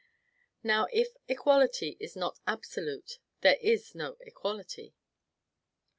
Now, if equality is not absolute, there is no equality.